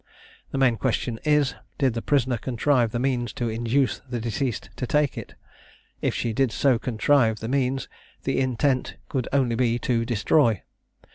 The main question is, did the prisoner contrive the means to induce the deceased to take it? if she did so contrive the means, the intent could only be to destroy.